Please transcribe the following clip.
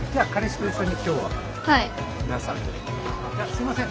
すいません